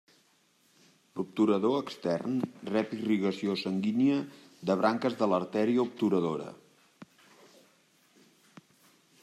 L'obturador extern rep irrigació sanguínia de branques de l'artèria obturadora.